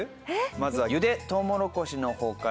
まずは茹でトウモロコシの方から。